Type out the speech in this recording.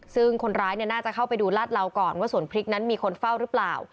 ซึ่งคนร้ายน่าจะเข้าไปดูลาดเหลาก่อนว่าสวนพริกนั้นมีคนเฝ้าหรือเปล่า